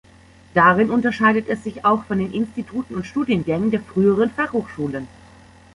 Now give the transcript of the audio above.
Darin unterscheidet es sich auch von den Instituten und Studiengängen der früheren Fachhochschulen.